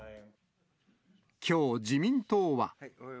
きょう、自民党は。